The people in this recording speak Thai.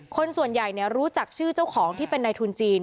คนส่วนใหญ่รู้จักชื่อเจ้าของที่เป็นในทุนจีน